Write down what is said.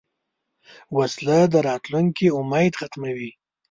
وسله د راتلونکې امید ختموي